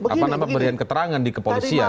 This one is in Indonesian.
apa nama berian keterangan di kepolisian